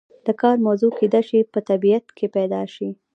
د کار موضوع کیدای شي په طبیعت کې پیدا شي.